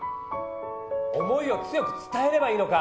「思い」を強く伝えればいいのか！